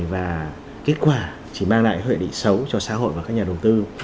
và kết quả chỉ mang lại hội định xấu cho xã hội và các nhà đầu tư